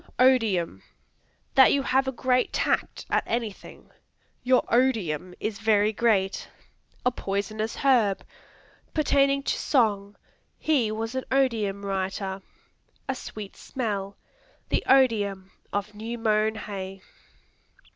Odium That you have a great tact at anything; "Your odium is very great." A poisonous herb. Pertaining to song; "He was an odium writer." A sweet smell; "The odium of new mown hay."